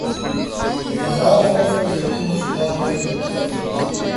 ہزار خوف ہو لیکن زباں ہو دل کی رفیق